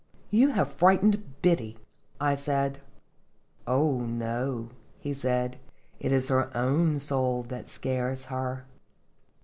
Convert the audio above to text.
" You have frightened Biddy," I said. "Oh, no," he said, "it is her own soul that scares her."